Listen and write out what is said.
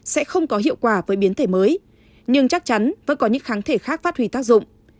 sẽ không có hiệu quả với biến thể mới nhưng chắc chắn vẫn có những kháng thể khác phát huy tác dụng